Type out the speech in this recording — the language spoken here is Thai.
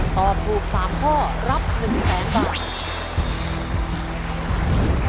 ตอบถูก๓ข้อรับ๑แสนบาท